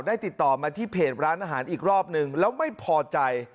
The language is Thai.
ติดต่อมาที่เพจร้านอาหารอีกรอบนึงแล้วไม่พอใจ